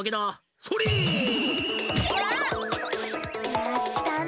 やったな！